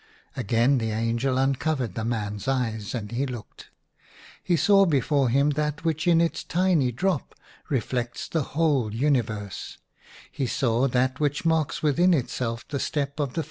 Again the angel uncovered the man's eyes, and he looked. He saw before him that which in its tiny drop reflects the whole universe ; he saw that which marks within itself the step of the IN A RUINED CHAPEL.